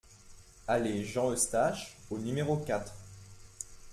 Allée Jean Eustache au numéro quatre